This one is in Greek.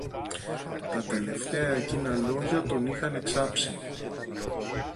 Τα τελευταία εκείνα λόγια τον είχαν εξάψει